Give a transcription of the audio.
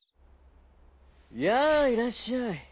「やあいらっしゃい。